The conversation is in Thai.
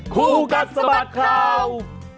คู่กัดสะบัดข่าว